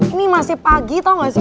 ini masih pagi tau gak sih